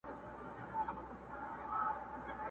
سلامي سول که امیرکه اردلیان وه!